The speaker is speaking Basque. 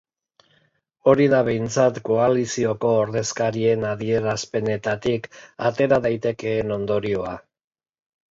Hori da behintzat koalizioko ordezkarien adierazpenetatik atera daitekeen ondorioa.